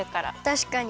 たしかに。